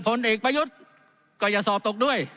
ผลเอกประยุทธ์ก็อย่าสอบตกด้วย